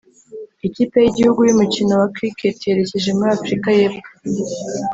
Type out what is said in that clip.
Ikipe y’igihugu y’umukino wa Cricket yerekeje muri Afurika y’epfo